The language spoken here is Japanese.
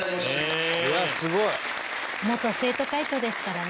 うわあすごい」「元生徒会長ですからね」